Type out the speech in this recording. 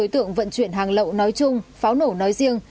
tượng vận chuyển hàng lậu nói chung pháo nổ nói riêng